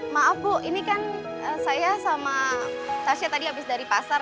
maaf bu ini kan saya sama tasya tadi habis dari pasar